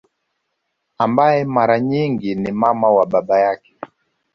Ambaye mara nyingi ni mama wa baba yake